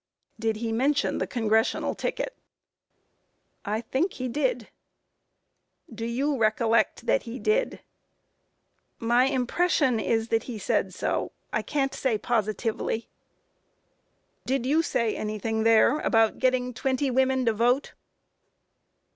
Q. Did he mention the Congressional ticket? A. I think he did. Q. Do you recollect that he did? A. My impression is that he said so; I can't say positively. Q. Did you say anything there, about getting twenty women to vote?